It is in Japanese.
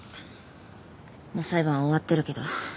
もう裁判は終わってるけど。